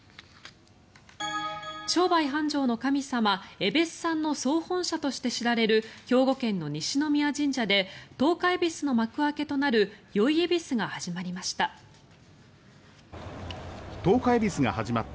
商売繁盛の神様、えべっさんの総本社として知られる兵庫県の西宮神社で十日えびすの幕開けとなる宵えびすが始まりました。